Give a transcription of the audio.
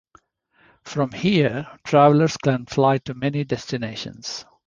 From here travellers can fly to many destinations.